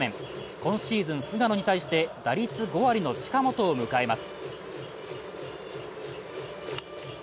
今シーズン、菅野に対して打率５割の近本を迎えます。